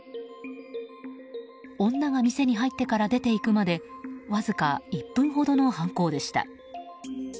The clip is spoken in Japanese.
女が店に入ってから出て行くまでわずか１分ほどの犯行でした。